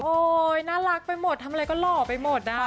น่ารักไปหมดทำอะไรก็หล่อไปหมดนะคะ